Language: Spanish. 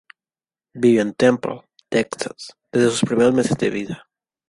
Vivió en Temple, Texas, desde sus primeros meses de vida.